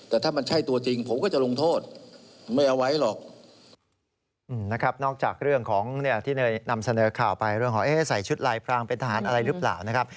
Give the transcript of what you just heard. ถ้ามันใช่ตัวจริงผมก็จะลงโทษไม่เอาไว้หรอก